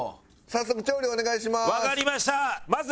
早速調理お願いします！